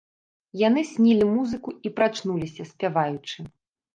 Яны снілі музыку і прачнуліся, спяваючы.